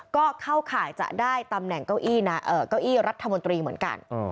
ก็เข้าข่ายจะได้ตำแหน่งเก้าอี้รัฐมนตรีเหมือนกัน